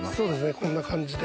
こんな感じで。